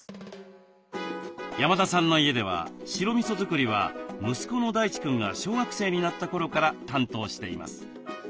山田さんの家では白みそ作りは息子の大地くんが小学生になった頃から担当しています。